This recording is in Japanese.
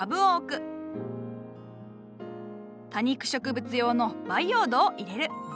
多肉植物用の培養土を入れる。